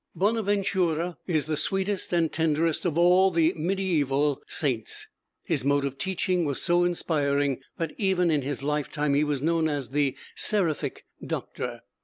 Bonaventura is the sweetest and tenderest of all the mediæval saints. His mode of teaching was so inspiring that even in his lifetime he was known as the "Seraphic Doctor."